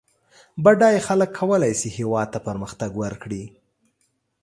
بډای خلک کولای سي هېواد ته پرمختګ ورکړي